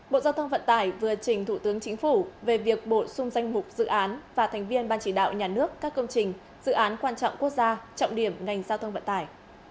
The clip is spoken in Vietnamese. bộ giao thông vận tải vừa trình thủ tướng chính phủ về việc bổ sung danh mục dự án và thành viên ban chỉ đạo nhà nước các công trình dự án quan trọng quốc gia trọng điểm ngành giao thông vận tải